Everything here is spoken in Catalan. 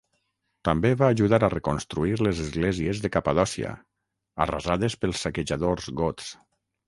També va ajudar a reconstruir les esglésies de Capadòcia, arrasades pels saquejadors gots.